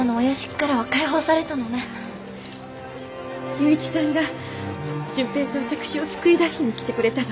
龍一さんが純平と私を救い出しに来てくれたの。